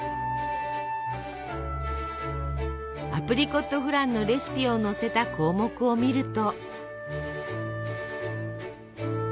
アプリコットフランのレシピを載せた項目を見ると。